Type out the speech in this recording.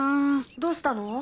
どうしたの？